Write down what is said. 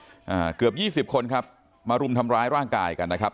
อ่าเกือบยี่สิบคนครับมารุมทำร้ายร่างกายกันนะครับ